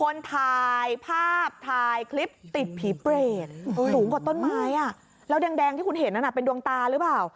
แล้วแดงที่คุณเห็นนั่นเป็นดวงตาหรือเปล่า